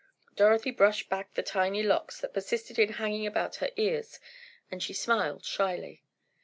Dorothy brushed back the tiny locks that persisted in hanging about her ears, and she smiled shyly.